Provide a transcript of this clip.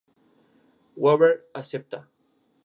Weaver acepta.